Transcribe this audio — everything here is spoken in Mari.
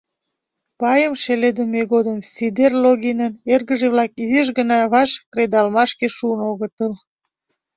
Пайым шеледыме годым Сидер Логинын эргыже-влак изиш гына ваш кредалмашке шуын огытыл.